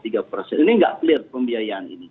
ini tidak clear pembiayaan ini